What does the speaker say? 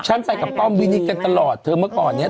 ฉันไปกับป้อมวินิตกันตลอดเธอเมื่อก่อนเนี้ย